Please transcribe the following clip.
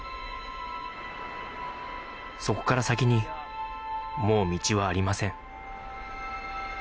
そこから先にもう道はありません